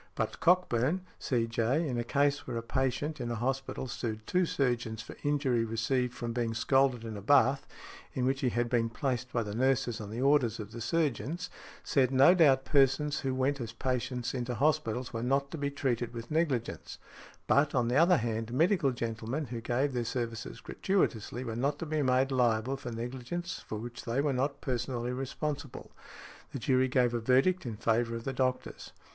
But Cockburn, C.J., in a case where a patient in a hospital sued two surgeons for injury received from being scalded in a bath, in which he had been placed by the nurses on the orders of the surgeons, said, no doubt persons who went as patients into hospitals were not to be treated with negligence; but, on the other hand, medical gentlemen who gave their services gratuitously were not to be made liable for negligence for which they were not personally responsible. The jury gave a verdict in favour of the doctors .